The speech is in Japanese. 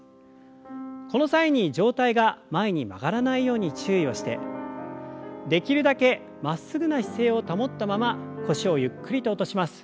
この際に上体が前に曲がらないように注意をしてできるだけまっすぐな姿勢を保ったまま腰をゆっくりと落とします。